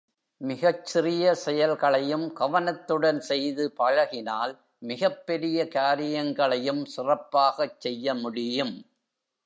மிகச் சிறிய செயல்களையும் கவனத்துடன் செய்து பழகினால் மிகப்பெரிய காரியங்களையும் சிறப்பாகச் செய்ய முடியும்.